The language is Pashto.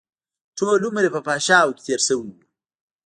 ټول عمر يې په فحشاوو کښې تېر شوى و.